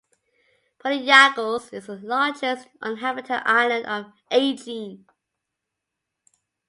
Polyaigos is the largest uninhabited island of Aegean.